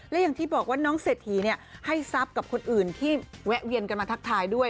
และอย่างที่บอกว่าน้องเศรษฐีให้ทรัพย์กับคนอื่นที่แวะเวียนกันมาทักทายด้วย